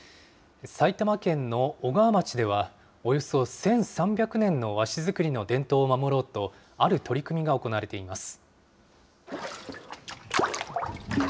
埼玉県の小川町では、およそ１３００年の和紙作りの伝統を守ろうと、ある取り組みが行われています。